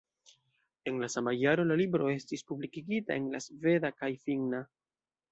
En la sama jaro la libro estis publikigita en la sveda kaj finna.